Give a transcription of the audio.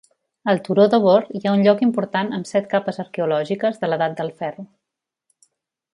Al turó Dobor hi ha un lloc important amb set capes arqueològiques de l'edat del ferro.